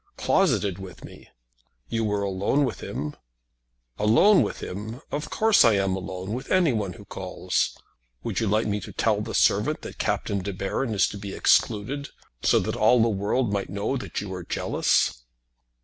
"Closeted with me!" "You were alone with him." "Alone with him! Of course I am alone with anyone who calls. Would you like me to tell the servant that Captain De Baron is to be excluded, so that all the world might know that you are jealous?"